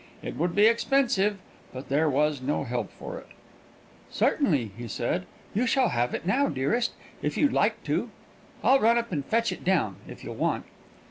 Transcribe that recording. It would be expensive; but there was no help for it. "Certainly," he said, "you shall have it now, dearest, if you'd like to. I'll run up and fetch it down, if you'll wait."